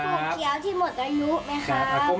เคี้ยวที่หมดอายุไหมครับ